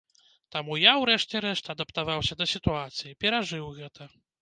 Таму я, урэшце рэшт, адаптаваўся да сітуацыі, перажыў гэта.